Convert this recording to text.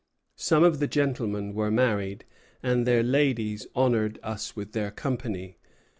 Some of the gentlemen were married, and their ladies honored us with their company.